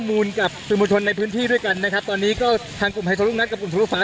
ทางกลุ่มมวลชนทะลุฟ้าทางกลุ่มมวลชนทะลุฟ้า